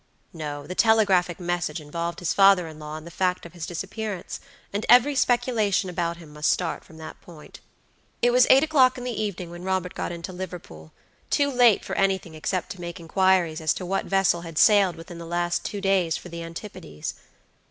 No; the telegraphic message involved his father in law in the fact of his disappearance, and every speculation about him must start from that one point. It was eight o'clock in the evening when Robert got into Liverpool; too late for anything except to make inquiries as to what vessel had sailed within the last two days for the antipodes.